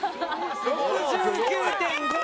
６９．５！